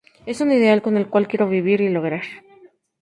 Es un ideal con el cual quiero vivir y lograr.